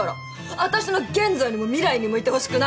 私の現在にも未来にもいてほしくない！